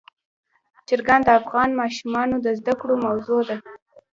چرګان د افغان ماشومانو د زده کړې موضوع ده.